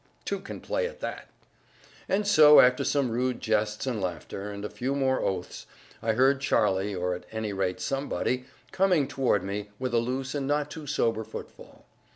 Two can play at that." And so, after some rude jests and laughter, and a few more oaths, I heard Charlie (or at any rate somebody) coming toward me, with a loose and not too sober footfall.